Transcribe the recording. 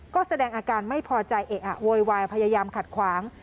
ก็แสดงอาการไม่พอใจเอะอะโวยวายพยายามขัดขวาง